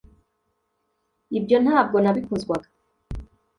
Ibyo ntabwo nabikozwaga